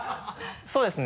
そうですね